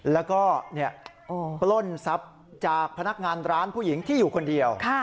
แล้วก็ปล้นทรัพย์จากพนักงานร้านผู้หญิงที่อยู่คนเดียว